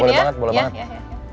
boleh banget boleh banget